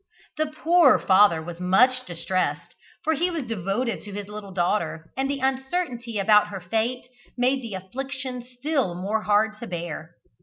The poor father was much distressed, for he was devoted to his little daughter, and the uncertainty about her fate made the affliction still more hard to bear.